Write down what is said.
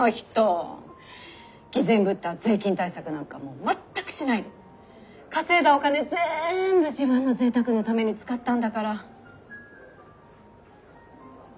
偽善ぶった税金対策なんかもう全くしないで稼いだお金ぜんぶ自分のぜいたくのために使ったんだから。